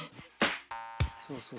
そうそう。